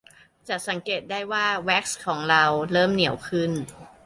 จะสังเกตได้ว่าแว็กซ์ของเราเริ่มเหนียวขึ้น